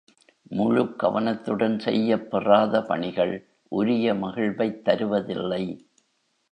முழுக் கவனத்துடன் செய்யப் பெறாத பணிகள் உரிய மகிழ்வைத் தருவதில்லை.